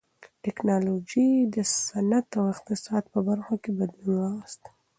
ټکنالوژۍ د صنعت او اقتصاد په برخو کې بدلون راوست.